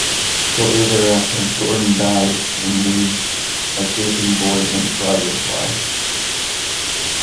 Shortly thereafter, Gordon dies, and leaves a gaping void in Claudia's life.